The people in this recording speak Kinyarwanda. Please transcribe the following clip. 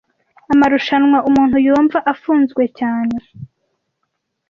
Amarushanwa. Umuntu yumva afunzwe cyane,